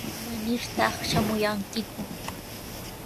¿Imanirtaq shamuyankiku?